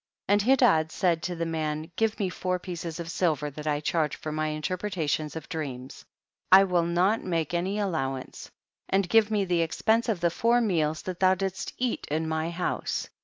36. And Hedad said to the man, give me four pieces of silver that I charge for my interpretations of dreams ; 1 will not make any allow ance ; and give me the expense of the four meals that thou didst eat in my house.